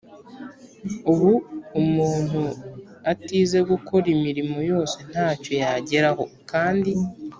Ubu umuntu atize gukora imirimo yose nta cyo yageraho. Kandi